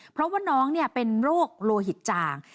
เพราะว่าน้องเป็นโรคโลหิตจาง